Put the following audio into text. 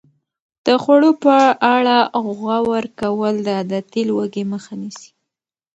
د خوړو په اړه غور کول د عادتي لوږې مخه نیسي.